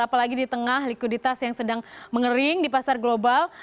apalagi di tengah likuiditas yang sedang mengering di pasar global